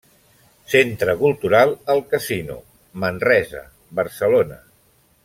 Centre Cultural El Casino, Manresa, Barcelona.